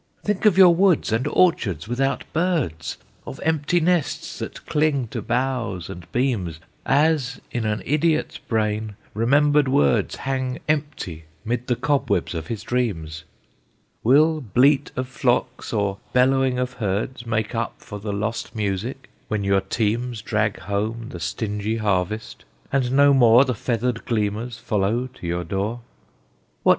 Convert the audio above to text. "Think of your woods and orchards without birds! Of empty nests that cling to boughs and beams As in an idiot's brain remembered words Hang empty 'mid the cobwebs of his dreams! Will bleat of flocks or bellowing of herds Make up for the lost music, when your teams Drag home the stingy harvest, and no more The feathered gleaners follow to your door? "What!